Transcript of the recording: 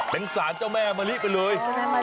เป็นสารเจ้าแม่มะลิไปเลย